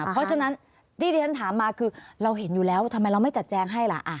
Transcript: เพราะฉะนั้นที่ที่ฉันถามมาคือเราเห็นอยู่แล้วทำไมเราไม่จัดแจงให้ล่ะ